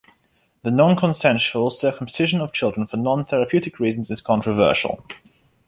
The non-consensual circumcision of children for non-therapeutic reasons is controversial.